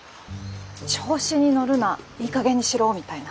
調子に乗るないいかげんにしろみたいな。